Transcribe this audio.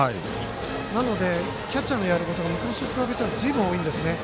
なのでキャッチャーのやることが昔から比べるとずいぶん多いんですね。